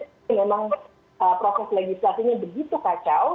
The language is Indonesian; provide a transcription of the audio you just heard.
ini memang proses legislasinya begitu kacau